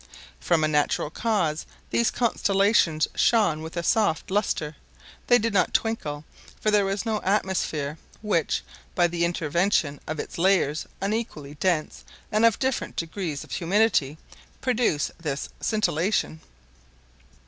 From a natural cause, these constellations shone with a soft luster; they did not twinkle, for there was no atmosphere which, by the intervention of its layers unequally dense and of different degrees of humidity, produces this scintillation.